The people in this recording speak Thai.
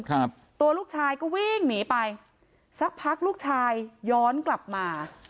ครับตัวลูกชายก็วิ่งหนีไปสักพักลูกชายย้อนกลับมา